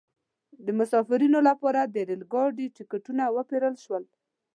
د مسافرینو لپاره د ریل ګاډي ټکټونه وپیرل شول.